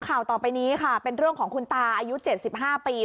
ข่าวต่อไปนี้ค่ะเป็นเรื่องของคุณตาอายุ๗๕ปี